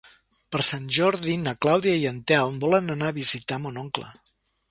Per Sant Jordi na Clàudia i en Telm volen anar a visitar mon oncle.